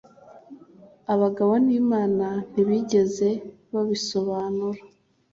abagabo n'imana ntibigeze babisobanura